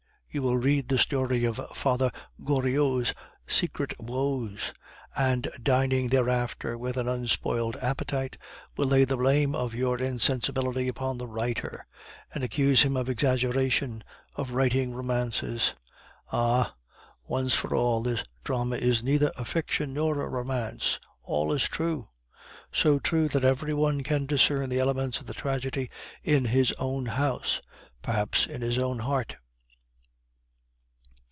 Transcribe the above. You will read the story of Father Goriot's secret woes, and, dining thereafter with an unspoiled appetite, will lay the blame of your insensibility upon the writer, and accuse him of exaggeration, of writing romances. Ah! once for all, this drama is neither a fiction nor a romance! All is true, so true, that every one can discern the elements of the tragedy in his own house, perhaps in his own heart.